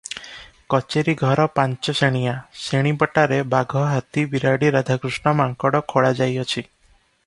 କଚେରୀ ଘର ପାଞ୍ଚ ଶେଣିଆ, ଶେଣି ପଟାରେ ବାଘ, ହାତୀ, ବିରାଡ଼ି, ରାଧାକୃଷ୍ଣ, ମାଙ୍କଡ଼ ଖୋଳାଯାଇଅଛି ।